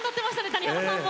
谷原さんも。